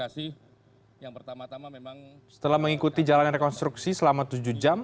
setelah mengikuti jalanan rekonstruksi selama tujuh jam